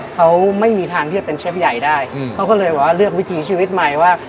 เขาไม่มีทางที่จะเป็นเชฟใหญ่ได้เขาก็เลยบอกว่าเลือกวิถีชีวิตใหม่ว่า